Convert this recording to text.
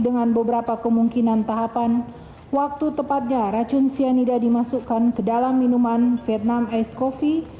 dengan beberapa kemungkinan tahapan waktu tepatnya racun cyanida dimasukkan ke dalam minuman vietnam ice coffee